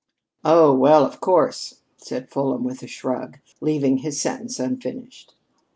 "Oh, well, of course " said Fulham with a shrug, leaving his sentence unfinished.